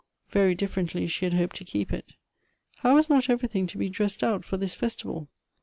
Very differently she had hoped to keep it. How was not everything to be dressed out for this festival